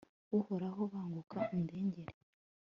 uhoraho, banguka, undengere